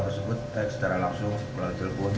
tersebut baik secara langsung melalui telepon